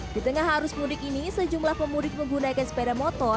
di tengah arus mudik ini sejumlah pemudik menggunakan sepeda motor